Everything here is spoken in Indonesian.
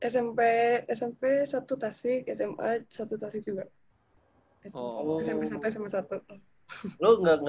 smp satu tasik sma satu tasik juga